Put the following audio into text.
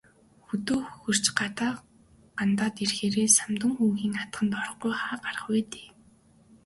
Хөдөө хөхөрч, гадаа гандаад ирэхээрээ Самдан хүүгийн атгад орохгүй хаа гарах вэ дээ.